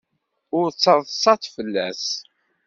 Ur ttaḍsat fell-as.